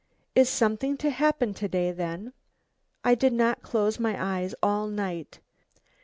Is something to happen to day then? I did not close my eyes all night.